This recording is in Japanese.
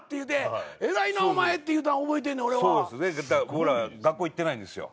僕ら学校行ってないんですよ。